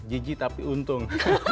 ji ji tapi untung